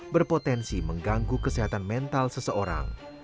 berpotensi mengganggu kesehatan mental seseorang